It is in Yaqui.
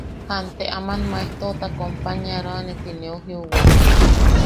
Jante aman maejtoota companyaroane ti neu jiuwa.